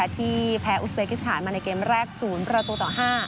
ที่แพ้อุสเบกิสถานมาในเกมแรก๐ประตูต่อ๕